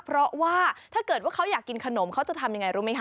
เพราะว่าถ้าเกิดว่าเขาอยากกินขนมเขาจะทำยังไงรู้ไหมคะ